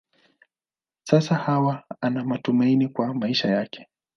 Sasa Hawa ana matumaini kwa maisha yake.